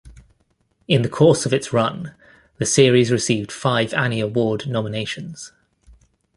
In the course of its run, the series received five Annie Award nominations.